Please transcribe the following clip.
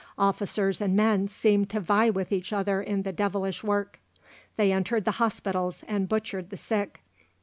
Officers and men seemed to vie with each other in the devilish work. They entered the hospitals and butchered the sick.